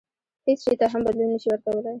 هیڅ شي ته هم بدلون نه شي ورکولای.